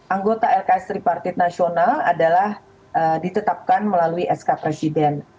anggota lks tripartit nasional adalah ditetapkan melalui sk presiden